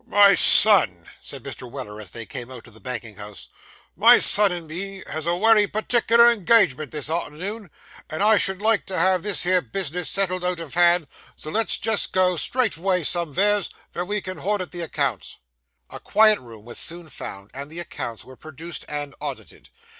'My son,' said Mr. Weller, as they came out of the banking house 'my son and me has a wery partickler engagement this arternoon, and I should like to have this here bis'ness settled out of hand, so let's jest go straight avay someveres, vere ve can hordit the accounts.' A quiet room was soon found, and the accounts were produced and audited.